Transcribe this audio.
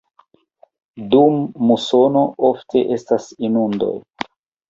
Dum musono ofte estas inundoj.